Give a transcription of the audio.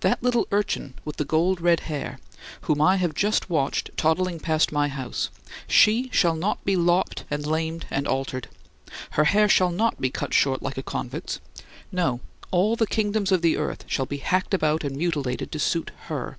That little urchin with the gold red hair, whom I have just watched toddling past my house, she shall not be lopped and lamed and altered; her hair shall not be cut short like a convict's; no, all the kingdoms of the earth shall be hacked about and mutilated to suit her.